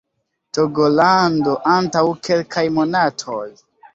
Togolando antaŭ kelkaj monatoj